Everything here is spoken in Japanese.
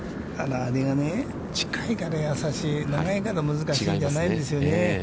近いから易しい、長いから難しいじゃないんですよね。